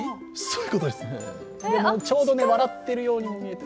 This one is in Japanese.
ちょうど笑ってるようにも見えて。